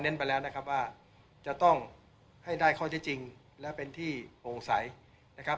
ไปแล้วนะครับว่าจะต้องให้ได้ข้อเท็จจริงและเป็นที่โปร่งใสนะครับ